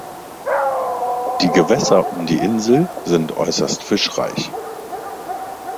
Die Gewässer um die Insel sind äußerst fischreich.